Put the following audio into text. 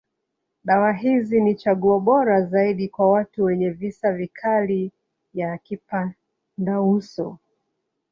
Dawa hizi ni chaguo bora zaidi kwa watu wenye visa vikali ya kipandauso.